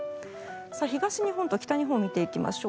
東日本と北日本を見ていきましょう。